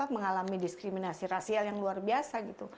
mengalami diskriminasi rasial yang luar biasa gitu